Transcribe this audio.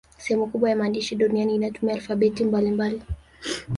Sehemu kubwa ya maandishi duniani inatumia alfabeti mbalimbali.